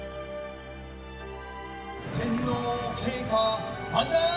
天皇陛下万歳。